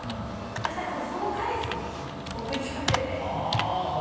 そしたらその彼氏に送っちゃってて。